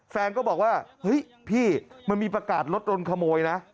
แฟนก็บอกว่าเฮ้ยพี่มันมีประกาศรถโดนขโมยนะ